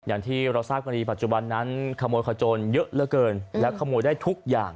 อย่างที่เราทราบกันดีปัจจุบันนั้นขโมยขโจรเยอะเหลือเกินแล้วขโมยได้ทุกอย่าง